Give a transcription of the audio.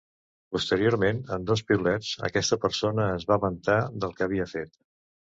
Posteriorment, en dos piulets aquesta persona es va vantar del que havia fet.